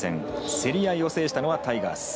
競り合いを制したのはタイガース。